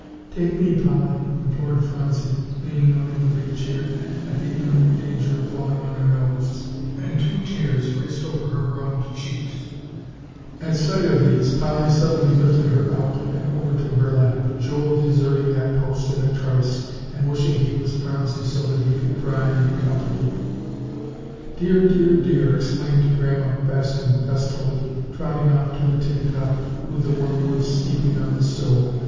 "Take me, Polly," implored Phronsie, leaning out of the big chair at the imminent danger of falling on her nose, and two tears raced over her round cheeks. At sight of these, Polly suddenly lifted her out and over to her lap, Joel deserting that post in a trice, and wishing he was Phronsie so that he could cry and be comforted. [Illustration: "Take me, Polly," implored Phronsie.] "Dear, dear, dear!" exclaimed Grandma Bascom gustily, trotting off to the tin cup with the wormwood steeping on the stove.